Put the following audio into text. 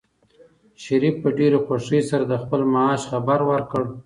شریف په ډېرې خوښۍ سره د خپل معاش خبر ورکړ.